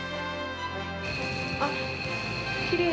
あっ、きれい。